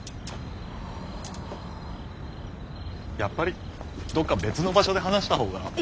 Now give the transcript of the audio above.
やっぱりどっか別の場所で話した方が。